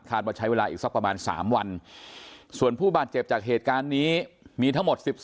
ว่าใช้เวลาอีกสักประมาณ๓วันส่วนผู้บาดเจ็บจากเหตุการณ์นี้มีทั้งหมด๑๓